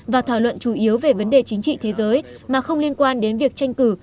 và thảo luận chủ yếu về vấn đề chính trị thế giới mà không liên quan đến việc tranh cử